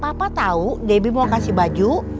papa tahu debbie mau kasih baju